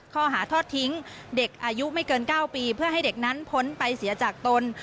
ข้อหาทอดทิ้งเด็กอายุไม่เกิน๙ปีเพื่อให้เด็กนั้นพ้นไปเสียจากตน